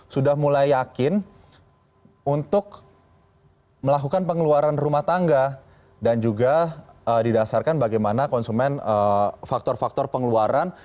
sudah mulai yakin untuk melakukan pengeluaran rumah tangga dan juga didasarkan bagaimana konsumen faktor faktor pengeluaran